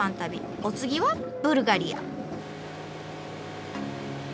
お次はブルガリア。